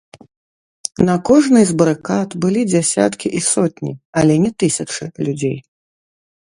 На кожнай з барыкад былі дзясяткі і сотні, але не тысячы людзей.